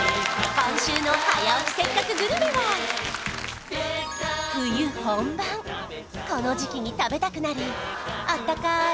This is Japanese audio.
今週の「早起きせっかくグルメ！！」は冬本番この時期に食べたくなるあったかい